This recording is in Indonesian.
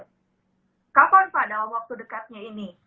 kapan pada waktu dekatnya ini